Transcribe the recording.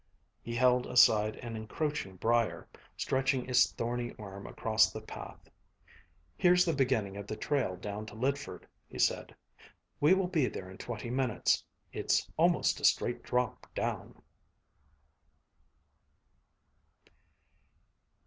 He held aside an encroaching briar, stretching its thorny arm across the path. "Here's the beginning of the trail down to Lydford," he said. "We will be there in twenty minutes. It's almost a straight drop down."